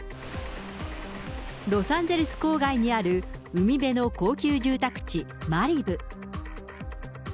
ロサンゼルス郊外にある海辺の高級住宅地、マリブ。